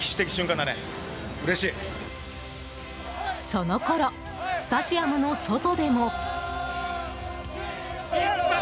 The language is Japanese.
そのころスタジアムの外でも。